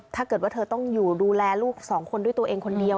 ถ้าเกิดว่าเธอต้องอยู่ดูแลลูกสองคนด้วยตัวเองคนเดียว